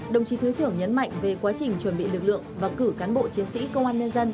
đồng chí thứ trưởng nhấn mạnh về quá trình chuẩn bị lực lượng và cử cán bộ chiến sĩ công an nhân dân